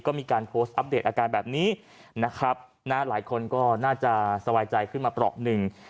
ก็มีการโพสต์อัปเดตอาการแบบนี้นะครับหลายคนก็น่าจะสบายใจขึ้นมาเปราะหนึ่ง